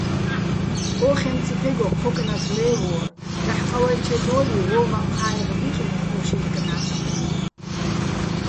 ო ხემწიფეგო ჴო კნათ ლე́ვვორ, დაჰ̦ ყავეჲლჩედო́ლიჼ ვო́მაჸ ჴაეღ დი́ყნო́რ ო შეჲრ კნა́თინა́ჲნო̆.